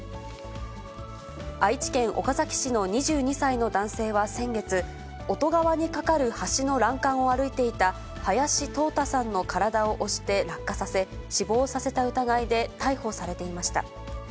愛知県岡崎市の２２歳の男性は先月、乙川に架かる橋の欄干を歩いていた林透太さんの体を押して落下させ、死亡させた疑いで逮捕されていました。